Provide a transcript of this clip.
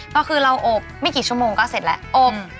ก็คือเราอบไม่กี่ชั่วโมงก็เสร็จแล้วอบ